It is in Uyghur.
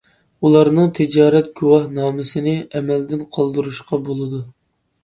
ئۇلارنىڭ تىجارەت گۇۋاھنامىسىنى ئەمەلدىن قالدۇرۇشقا بولىدۇ.